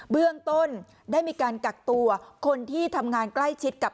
เบื้องต้นได้มีการกักตัวคนที่ทำงานใกล้ชิดกับ